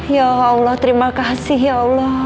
ya allah terima kasih ya allah